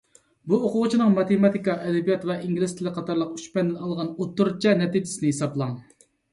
بۇ ئوقۇغۇچىنىڭ ماتېماتىكا، ئەدەبىيات ۋە ئىنگلىز تىلى قاتارلىق ئۈچ پەندىن ئالغان ئوتتۇرىچە نەتىجىسىنى ھېسابلاڭ.